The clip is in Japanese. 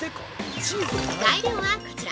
材料はこちら。